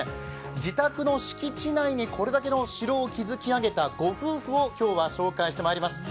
自宅の敷地内にこれだけの城を築き上げたご夫婦を今日は紹介してまいります。